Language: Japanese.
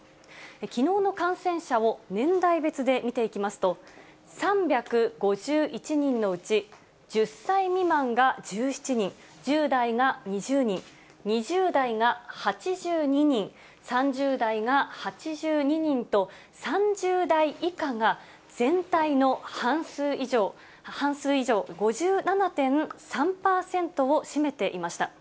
きのうの感染者を年代別で見ていきますと、３５１人のうち、１０歳未満が１７人、１０代が２０人、２０代が８２人、３０代が８２人と、３０代以下が全体の半数以上、５７．３％を占めていました。